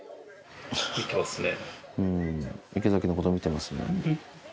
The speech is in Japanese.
うん、池崎のこと見てますね。